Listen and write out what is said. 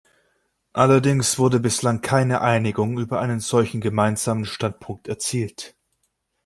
Allerdings wurde bislang keine Einigung über einen solchen Gemeinsamen Standpunkt erzielt.